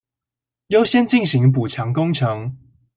優先進行補強工程